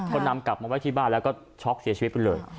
ก็นำกลับมาไว้ที่บ้านแล้วก็ช็อกเสียชีวิตไปเลย